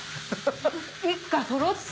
一家そろって。